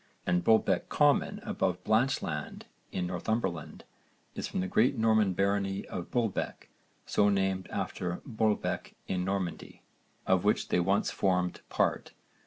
and Bulbeck Common above Blanchland in Northumberland is from the great Norman barony of Bulbeck, so named after Bolbec in Normandy, of which they once formed part.